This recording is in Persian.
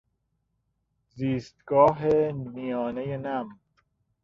زیستگاه میانه نم